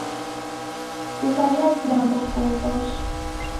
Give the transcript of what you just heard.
Tumbanya vilambo kuoghoshe.